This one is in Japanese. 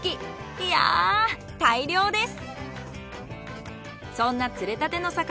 いや大漁です。